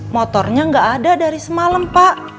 motornya nggak ada dari semalam pak